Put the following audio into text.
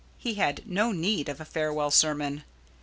He had no need of a farewell sermon.